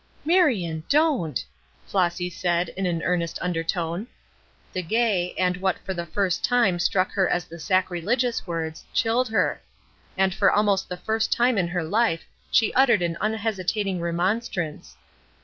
"Marion, don't!" Flossy said, in an earnest undertone. The gay, and what for the first time struck her as the sacrilegious words, chilled her. And for almost the first time in her life she uttered an unhesitating remonstrance.